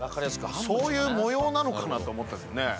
そういう模様なのかなと思ったけどね。